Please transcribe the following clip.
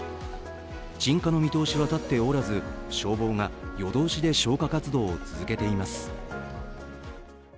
鎮火の見通しは立っておらず消防が夜通しで消火活動を続けています。